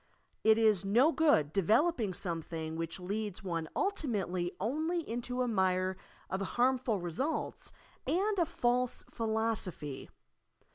It is no good developing something which leads one ultimately only into a mire of harmful results and a false philoaopby.